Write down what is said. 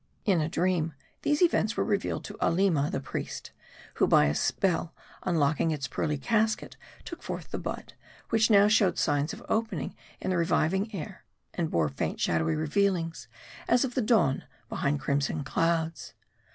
In a dream, these events were revealed to Aleema the priest ; who by a spell unlocking its pearly casket, took forth the bud, which now showed signs of opening in the reviving air, and bore faint shadowy revealings, as of the dawn behind crimson clouds.